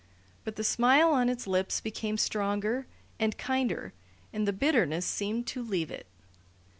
But the smile on its lips became stronger, and kinder, and the bitterness seemed to leave it.